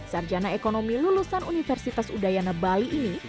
sarjana ekonomi lulusan universitas udayana bali ini